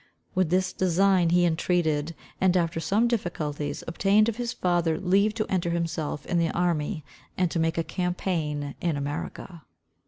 With this design he entreated, and, after some difficulties, obtained of his father leave to enter himself in the army, and to make a campaign in America.